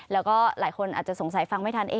แล้วก็หลายคนอาจจะสงสัยฟังไม่ทันเอง